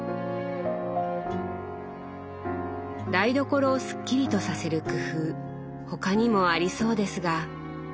台所をスッキリとさせる工夫他にもありそうですが。